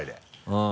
うん。